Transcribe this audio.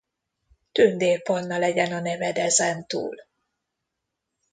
Tündér Panna legyen a neved ezentúl.